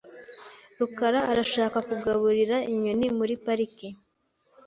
rukara arashaka kugaburira inyoni muri parike .